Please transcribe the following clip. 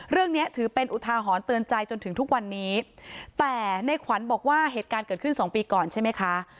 เนี้ยถือเป็นอุทาหรณ์เตือนใจจนถึงทุกวันนี้แต่ในขวัญบอกว่าเหตุการณ์เกิดขึ้นสองปีก่อนใช่ไหมคะ